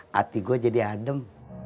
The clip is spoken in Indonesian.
hati gua jadi adem